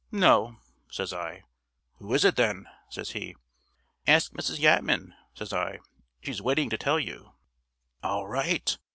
"No," says I. "Who is it then?" says he. "Ask Mrs. Yatman," says I. "She's waiting to tell you." "All right!